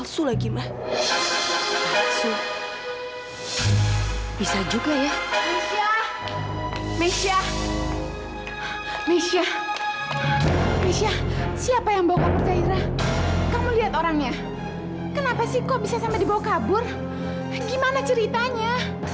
sampai jumpa di video selanjutnya